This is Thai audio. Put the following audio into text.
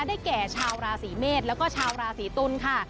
ได้แก่ชาวราศีเมษแล้วก็ชาวราศีตุลค่ะ